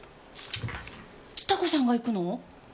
つた子さんが行くの？